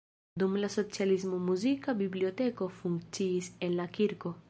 Dum la socialismo muzika biblioteko funkciis en la kirko.